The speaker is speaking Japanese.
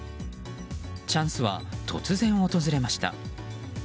チャンスは突然訪れました。